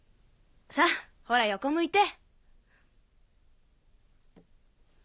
さぁほら横向いて！